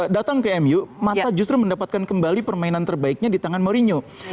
datang ke mu mata justru mendapatkan kembali permainan terbaiknya di tangan mourinho